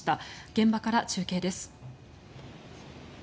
現場から中継です。